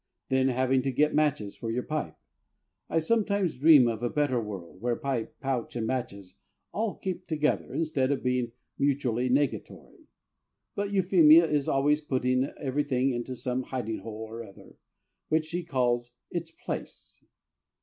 Then, having to get matches for your pipe. I sometimes dream of a better world, where pipe, pouch, and matches all keep together instead of being mutually negatory. But Euphemia is always putting everything into some hiding hole or other, which she calls its "place."